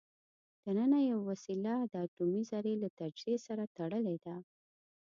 دننه یوه وسیله د اټومي ذرې له تجزیې سره تړلې ده.